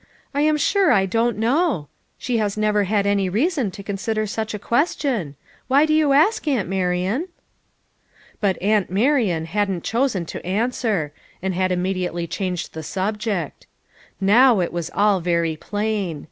"I am sure I don't know; she has never had any rea son to consider such a question. Why do you ask, Aunt Marian?" But "Aunt Marian" hadn't chosen to an swer, and had immediately changed the sub ject. Now it was all very plain.